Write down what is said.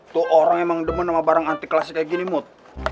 tuh orang emang demen sama barang antiklasi kayak gini mood